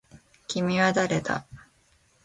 君は誰だ